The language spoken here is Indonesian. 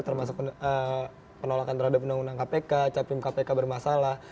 termasuk penolakan terhadap undang undang kpk capim kpk bermasalah